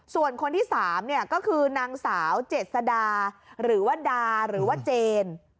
ส่วนคนที่สามเนี่ยก็คือนางสาวเจ็ดสดาหรือว่าดาหรือว่าเจน